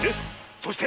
そして！